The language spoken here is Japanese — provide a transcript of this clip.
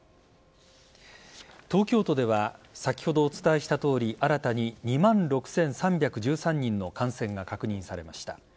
東京都では先ほどお伝えしたとおり新たに２万６３１３人の感染が確認されました。